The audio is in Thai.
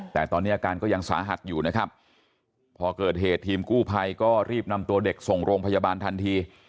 แต่ตอนนี้อาการก็ยังสาหัสอยู่นะครับพอเกิดเหตุทีมกู้ภัยก็รีบนำตัวเด็กส่งโรงพยาบาลทันที